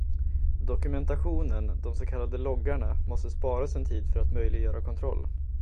Dokumentationen, de så kallade loggarna, måste sparas en tid för att möjliggöra kontroll.